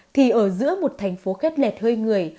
thì ở giữa một thành phố khét lẹt hơi người